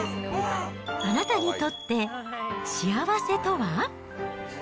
あなたにとって幸せとは？